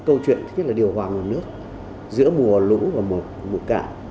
câu chuyện thứ nhất là điều hòa nguồn nước giữa mùa lũ và mùa cạn